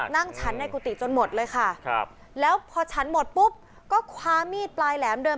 ฉันในกุฏิจนหมดเลยค่ะครับแล้วพอฉันหมดปุ๊บก็คว้ามีดปลายแหลมเดิน